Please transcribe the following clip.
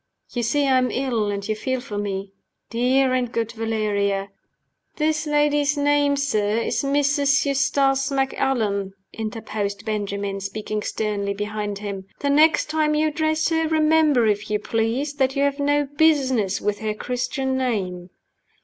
"You see I am ill, and you feel for me. Dear and good Valeria!" "This lady's name, sir, is Mrs. Eustace Macallan," interposed Benjamin, speaking sternly behind him. "The next time you address her, remember, if you please, that you have no business with her Christian name."